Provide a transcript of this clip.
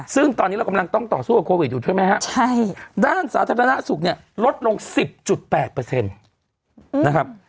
ซึ่งตอนนี้เรากำลังต้องต่อสู้กับโควิดอยู่ใช่ไหมครับด้านสาธารณสุขเนี่ยลดลง๑๐๘นะครับ